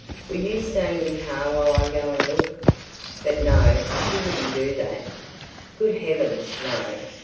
"Will you stay in the car while I go and look?" But no—she wouldn't do that. Good heavens, no!